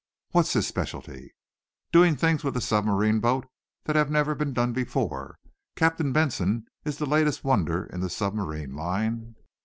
"What's his specialty!" "Doing things with a submarine boat that have never been done before. Captain Benson is the latest wonder in the submarine line."